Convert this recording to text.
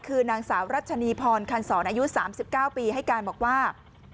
คือนางสาวรัชนีพรคันสอนอายุสามสิบเก้าปีให้การบอกว่า